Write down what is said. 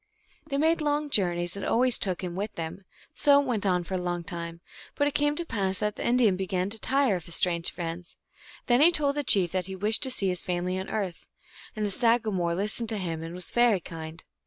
They made long journeys, and always took him with them. So it went on for a long time, but it came to pass that the Indian began to tire of his strange friends. Then he told the chief that he wished to see his family on earth, and the sagamore listened to him and was very kind.